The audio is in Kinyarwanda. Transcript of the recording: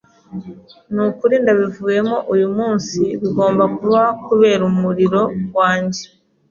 Nukuri ndabivuyemo uyumunsi. Bigomba kuba kubera umuriro wanjye.